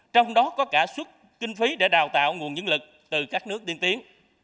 trong đó có cả suất kinh phí để đào tạo nguồn nhân lực từ các nước tiên tiến